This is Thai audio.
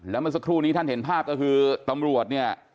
แล้วเมื่อสักครู่นี้ท่านเห็นภาพก็คือตำรวจเนี่ย